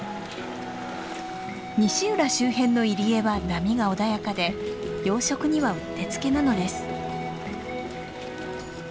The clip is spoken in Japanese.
西浦周辺の入り江は波が穏やかで養殖にはうってつけなのです。